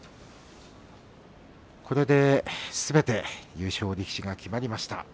これですべて優勝力士が決まりました。